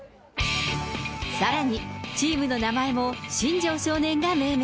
さらにチームの名前も新庄少年が命名。